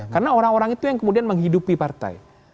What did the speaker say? karena orang orang itu yang kemudian menghidupi partai